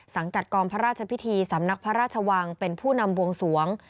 กัดกองพระราชพิธีสำนักพระราชวังเป็นผู้นำวงสวง